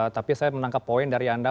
tapi saya menangkap poin dari anda